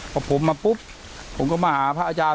พอผมมาปุ๊บผมก็มาหาพระอาจารย์